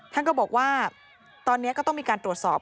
ท่านก็บอกว่าตอนนี้ก็ต้องมีการตรวจสอบ